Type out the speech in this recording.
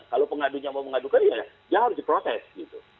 kalau pengadunya mau mengadukan ya dia harus diprotes gitu